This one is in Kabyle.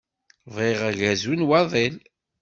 Bɣiɣ agazu n waḍil.